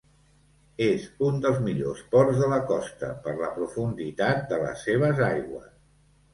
És un dels millors ports de la costa per la profunditat de les seves aigües.